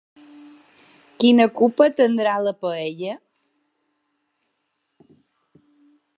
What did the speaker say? Quina culpa tindrà la paella?